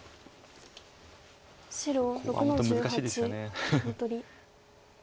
コウは本当難しいですよね。